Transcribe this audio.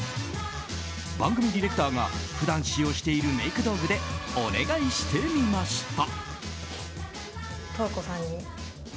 番組ディレクターが普段使用しているメイク道具でお願いしてみました。